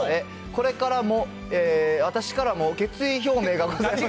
これからも、私からも決意表明がございます。